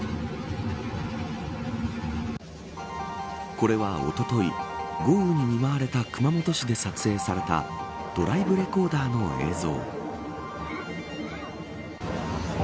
これはおととい豪雨に見舞われた熊本市で撮影されたドライブレコーダーの映像。